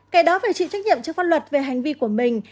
kẻ đó phải chịu trách nhiệm trước pháp luật về hành vi của mình